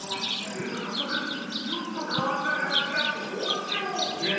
すると早速ちょっと変わった形が登場！